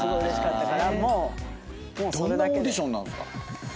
どんなオーディションなんすか？